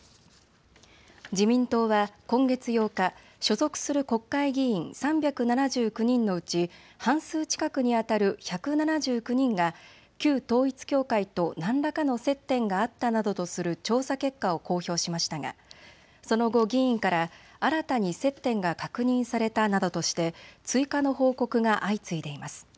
自民党は今月８日、所属する国会議員３７９人のうち半数近くにあたる１７９人が旧統一教会と何らかの接点があったなどとする調査結果を公表しましたがその後、議員から新たに接点が確認されたなどとして追加の報告が相次いでいます。